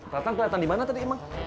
tatang keliatan dimana tadi emang